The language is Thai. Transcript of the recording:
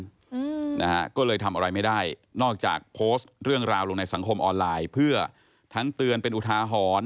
อืมนะฮะก็เลยทำอะไรไม่ได้นอกจากโพสต์เรื่องราวลงในสังคมออนไลน์เพื่อทั้งเตือนเป็นอุทาหรณ์